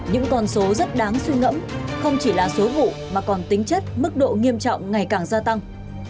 những con số rất đáng suy ngẫm không chỉ là số vụ mà còn tính chất mức độ nghiêm trọng ngày càng gia tăng